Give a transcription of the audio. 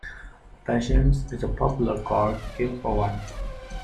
Patience is a popular card game for one